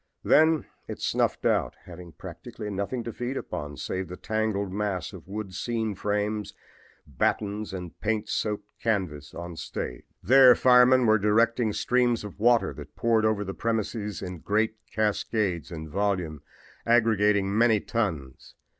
Then it snuffed out, having practically nothing to feed upon save the tangled mass of wood scene frames, batons and paint soaked canvas on the stage. FEW REALIZED APPALLING RESULT. "There firemen were directing streams of water that poured over the premises in great cascades in volume, aggregating many tons.